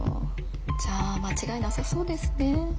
じゃあ間違いなさそうですね。